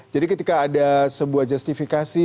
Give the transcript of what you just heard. jadi ketika ada sebuah justifikasi